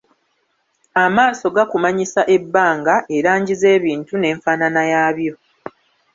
Amaaso gakumanyisa ebbanga, erangi z'ebintu n'enfaanana yaabyo.